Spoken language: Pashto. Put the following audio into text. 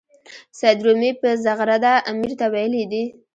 سید رومي په زغرده امیر ته ویلي دي.